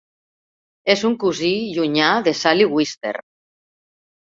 És un cosí llunyà de Sally Wister.